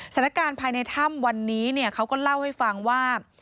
สถานการณ์ภายในถ้ำวันนี้เขาก็เล่าให้ฟังว่า